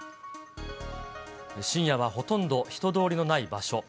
深夜はほとんど人通りのない場所。